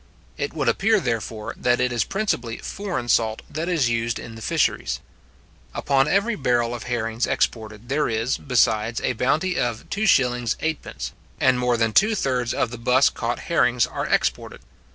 It would appear, therefore, that it is principally foreign salt that is used in the fisheries. Upon every barrel of herrings exported, there is, besides, a bounty of 2s:8d. and more than two thirds of the buss caught herrings are exported.